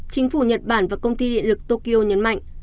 chính phủ nhật bản và công ty điện lực tokyo nhấn mạnh